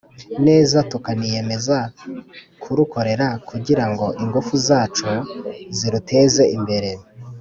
neza, tukaniyemeza kurukorera kugira ngo ingufu zacu ziruteze imbere.